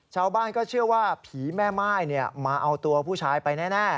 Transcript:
ชาวบ้านก็เชื่อว่าผีแม่ม่ายมาเอาตัวผู้ชายไปแน่